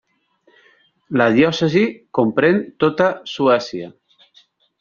La diòcesi comprèn tota Suècia.